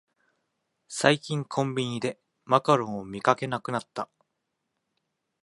最近コンビニでマカロンを見かけなくなった